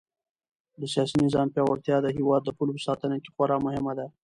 د سیاسي نظام پیاوړتیا د هېواد د پولو په ساتنه کې خورا مهمه ده.